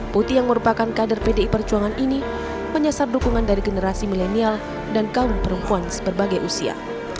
putih yang merupakan kader pdi perjuangan ini menyasar dukungan dari generasi milenial dan kaum perempuan sebagai usia